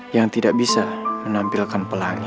yang tidak bisa menampilkan pelangi